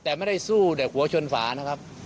แต่ไม่ได้สู้แต่หัวชนฝานะครับ